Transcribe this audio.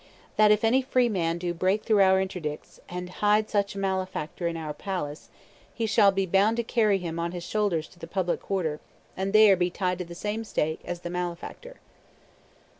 That if any free man do break through our interdicts, and hide such malefactor in our palace, he shall be bound to carry him on his shoulders to the public quarter, and be there tied to the same stake as the malefactor."